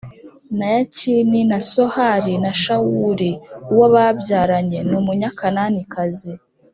na Yakini f na Sohari na Shawuli g uwo yabyaranye n Umunyakananikazi